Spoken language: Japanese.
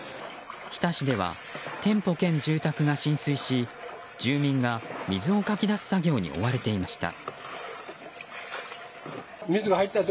日田市では店舗兼住宅が浸水し住民が水をかき出す作業に追われていました。